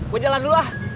gue jalan dulu ah